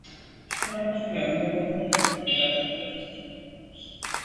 সবাই আমার সঙ্গে এমনভাবে কথা বলে, যেন আমি তাদের মতোই সুস্থ-স্বাভাবিক মানুষ।